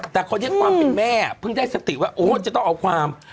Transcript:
แต่คนนี้ความเป็นแม่เพิ่งได้สติว่าโอ้จะต้องเอาความ